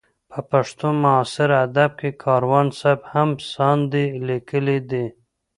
په پښتو معاصر ادب کې کاروان صاحب هم ساندې لیکلې دي.